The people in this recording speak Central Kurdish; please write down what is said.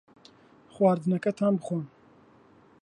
خواردنەکەتان بخۆن.